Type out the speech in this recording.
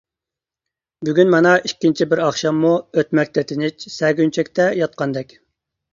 بۈگۈن مانا ئىككىنچى بىر ئاخشاممۇ، ئۆتمەكتە تىنچ، سەگەنچۈكتە ياتقاندەك.